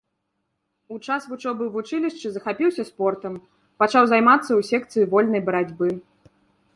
У час вучобы ў вучылішчы захапіўся спортам, пачаў займацца ў секцыі вольнай барацьбы.